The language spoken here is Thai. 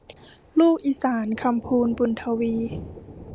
ลูกอีสาน - คำพูน บุญทวี